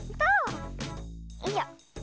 よいしょ。